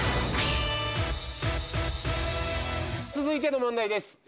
続いての問題です。